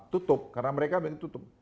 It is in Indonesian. ini kita tutup karena mereka begitu tutup